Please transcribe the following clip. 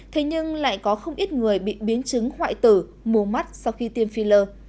thế nhưng lại có không ít người bị biến chứng hoại tử mù mắt sau khi tiêm phi lơ